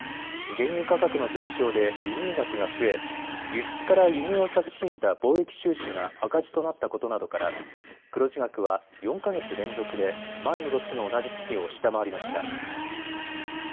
原油価格の上昇で輸入額が増え輸出から輸入を差し引いた貿易収支が赤字となったことなどから黒字額は４か月連続で前の年の同じ月を下回りました。